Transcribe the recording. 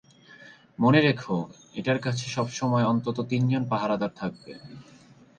মনে রেখো, এটার কাছে সবসময় অন্তত তিনজন পাহারাদার থাকবে।